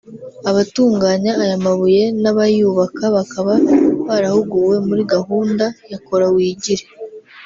Abatunganya aya mabuye n’abayubaka bakaba barahuguwe muri gahunda ya Kora wigire